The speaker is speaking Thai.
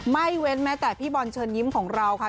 เว้นแม้แต่พี่บอลเชิญยิ้มของเราค่ะ